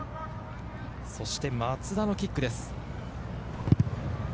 そして松田のキックです。